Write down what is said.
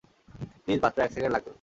Please মাত্র এক second লাগবে।